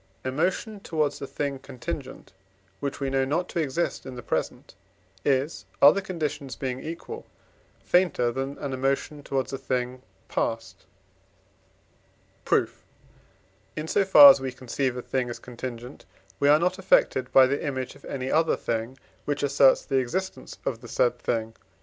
Emotion towards a thing contingent, which we know not to exist in the present, is, other conditions being equal, fainter than an emotion towards a thing past. Proof. In so far as we conceive a thing as contingent, we are not affected by the image of any other thing, which asserts the existence of the said thing (IV.